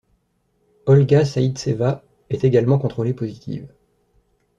Olga Zaïtseva est également contrôlée positive.